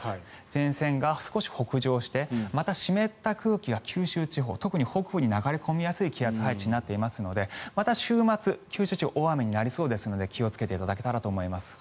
前線が少し北上してまた湿った空気が九州地方とくに北部に流れ込みやすい気圧配置になっているのでまた週末、九州地方は大雨になりそうですので気をつけていただけたらと思います。